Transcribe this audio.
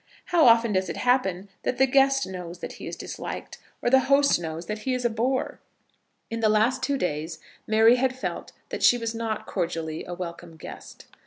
How often does it happen that the guest knows that he is disliked, or the host knows that he is a bore! In the last two days Mary had felt that she was not cordially a welcome guest.